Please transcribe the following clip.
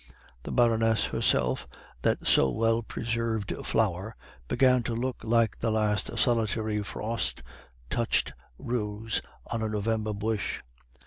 The Baroness herself, that so well preserved flower, began to look like the last solitary frost touched rose on a November bush.